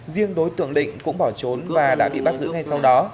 riêng đối tượng định cũng bỏ trốn và đã bị bắt giữ ngay sau đó